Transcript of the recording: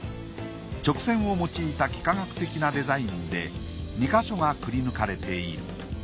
直線を用いた幾何学的なデザインで２か所がくり抜かれている。